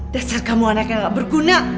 dasar kamu anak yang gak berguna